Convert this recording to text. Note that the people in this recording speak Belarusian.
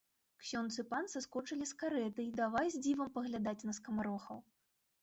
Ксёндз і пан саскочылі з карэты і давай з дзівам паглядаць на скамарохаў.